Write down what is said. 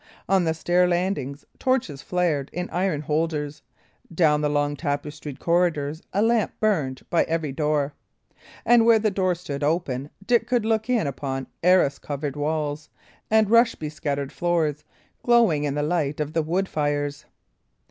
On the stair landings, torches flared in iron holders; down the long, tapestried corridors, a lamp burned by every door. And where the door stood open, Dick could look in upon arras covered walls and rush bescattered floors, glowing in the light of the wood fires.